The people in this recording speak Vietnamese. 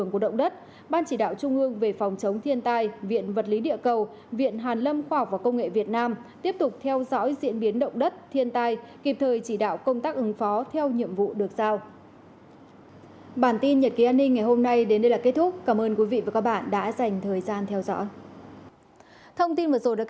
các bạn đã dành thời gian theo dõi